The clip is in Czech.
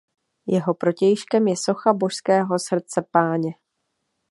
Jeho protějškem je socha Božského srdce Páně.